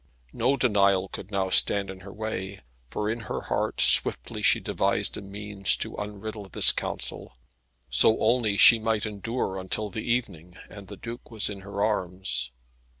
No denial could now stand in her way, for in her heart swiftly she devised a means to unriddle this counsel, so only she might endure until the evening, and the Duke was in her arms.